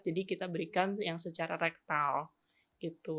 jadi kita berikan yang secara rektal gitu